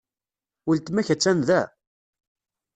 Weltma-k attan da?